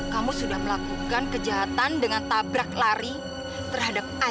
kamu sudah melakukan kejahatan dengan tabrak lari terhadap anak